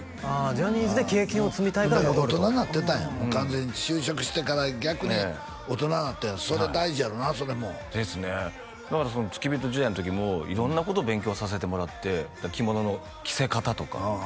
ジャニーズで経験を積みたいから戻る大人なってたんやもう完全に就職してから逆に大人なったんやそれ大事やろなそれもですねだからその付き人時代の時も色んなこと勉強させてもらって着物の着せ方とかああ